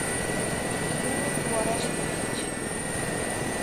Нуно туараш пижыч.